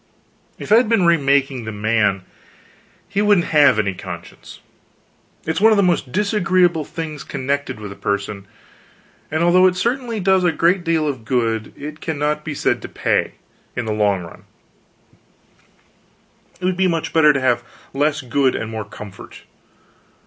If I had the remaking of man, he wouldn't have any conscience. It is one of the most disagreeable things connected with a person; and although it certainly does a great deal of good, it cannot be said to pay, in the long run; it would be much better to have less good and more comfort.